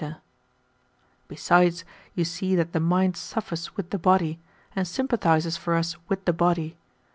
LUCRETIUS 107 Besides, you see that the mind suffers with the body,^ and sympathizes for us with the body.